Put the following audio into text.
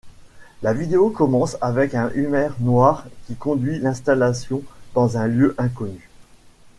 La vidéo commence avec un Hummer noir qui conduit l'installation dans un lieu inconnu.